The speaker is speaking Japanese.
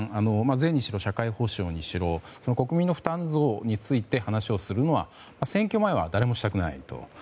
税にしろ、社会保障にしろ国民の負担増について話をするのは選挙前は誰もしたくないと。